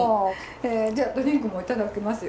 じゃあドリンクも頂きますよ！